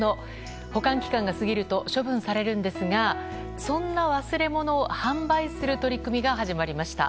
保管期間が過ぎると処分されるんですがそんな忘れ物を販売する取り組みが始まりました。